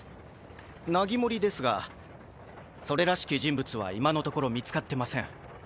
ナギモリですがそれらしき人物は今のところ見つかってません。